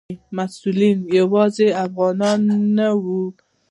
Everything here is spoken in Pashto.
مسؤلین یوازې افغانان نه وو.